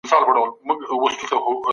بستر باید پاک او وچ وي.